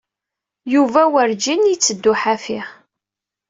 Yuba werǧin yetteddu ḥafi.